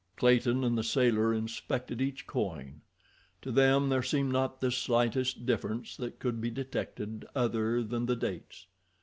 Clayton and the sailor inspected each coin. To them there seemed not the slightest difference that could be detected other than the dates.